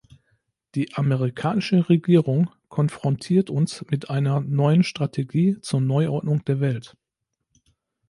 Die amerikanische Regierung konfrontiert uns mit einer neuen Strategie zur Neuordnung der Welt.